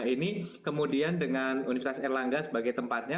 ini kemudian dengan universitas air langga sebagai tempatnya